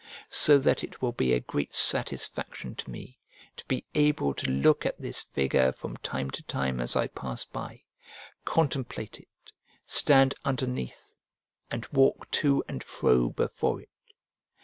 So that it will be a great satisfaction to me to be able to look at this figure from time to time as I pass by, contemplate it, stand underneath, and walk to and fro before it.